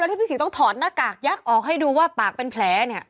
ที่พี่ศรีต้องถอดหน้ากากยักษ์ออกให้ดูว่าปากเป็นแผลเนี่ย